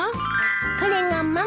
これがママ。